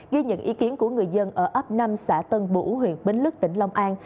ghi nhận ý kiến của người dân ở ấp năm xã tân bủ huyện bình đức tỉnh long an